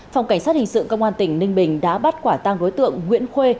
phòng cảnh sát hình sự công an tỉnh ninh bình đã bắt quả tăng đối tượng nguyễn khuê